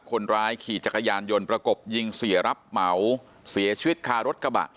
คนร้ายขี่จักรยานยนต์ประกบยิงเสียรับเหมาเสียชีวิตคารถกระบะ